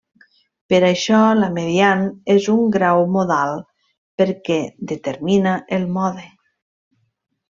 Per això la mediant és un grau modal, perquè determina el mode.